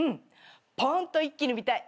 ポンと一気に産みたい。